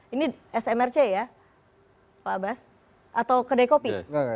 ini smrc ya pak abbas atau kedai kopi